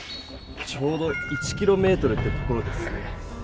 ちょうど１キロメートルってところですね。